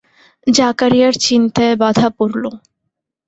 জাকারিয়ার চিন্তায় বাধা পড়ল।